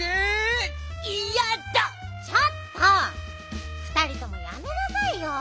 ちょっとふたりともやめなさいよ。